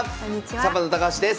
サバンナ高橋です。